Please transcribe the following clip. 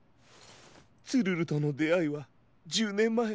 ツルルとのであいは１０ねんまえ。